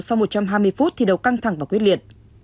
sau một trăm hai mươi phút thi đấu căng thẳng và quyết liệt